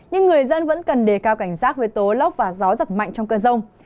nhưng người dân vẫn cần đề cao cảnh sát với tố lốc và gió giật mạnh trong cơn rông